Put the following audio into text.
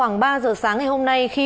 ông bán lô đất nợ đâu